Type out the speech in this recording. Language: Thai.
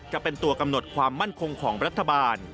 จะเป็นตัวกำหนดความมั่นคงของรัฐบาล